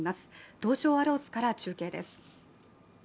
東証アローズから中継です。